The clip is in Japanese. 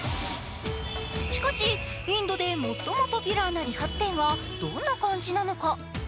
しかし、インドで最もポピュラーの理髪店はどんな感じなのか？